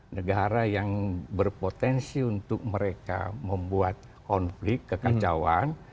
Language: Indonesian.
negara yang berpotensi untuk mereka membuat konflik kekacauan